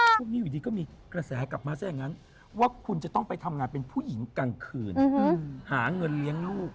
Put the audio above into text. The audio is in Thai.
ช่วงนี้อยู่ดีก็มีกระแสกลับมาซะอย่างนั้นว่าคุณจะต้องไปทำงานเป็นผู้หญิงกลางคืนหาเงินเลี้ยงลูก